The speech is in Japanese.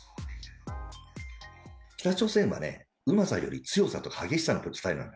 北朝鮮はね、うまさより強さと激しさのスタイルなの。